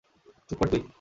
চুপ কর তুই!